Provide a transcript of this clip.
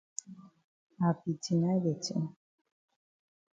I be deny de tin.